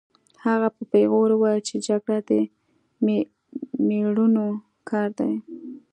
هغه په پیغور وویل چې جګړه د مېړنیو کار دی